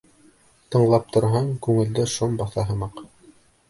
Тыңлап торһаң, күңелде шом баҫа һымаҡ.